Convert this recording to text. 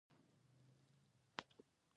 د خاله لور مې ډېره ستړې شوې ده.